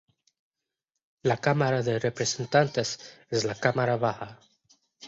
La Cámara de Representantes es la Cámara baja.